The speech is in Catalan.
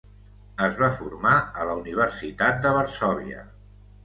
Es va formar a la Universitat de Varsòvia.